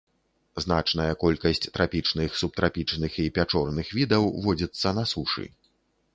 Значная колькасць трапічных, субтрапічных і пячорных відаў водзіцца на сушы.